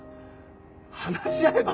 話し合えばって。